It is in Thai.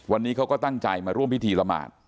วันนี้เขาก็ตั้งใจมาร่วมพิธีละหมาด